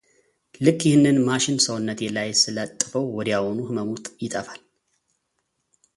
ልክ ይህንን ማሽን ሰውነቴ ላይ ስለጥፈው ወዲያውኑ ህመሙ ይጠፋል።